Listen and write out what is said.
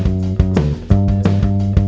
jangan jangan jangan